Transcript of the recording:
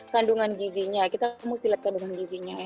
kandungan gizinya kita harus lihat kandungan gizinya